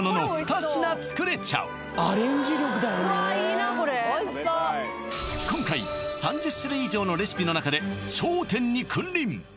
いいなこれ今回３０種類以上のレシピの中で頂点に君臨！